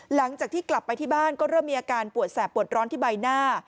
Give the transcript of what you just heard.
หลังจากที่กลับไปที่บ้านก็เริ่มมีอาการปวดแสบปวดร้อนที่ใบหน้า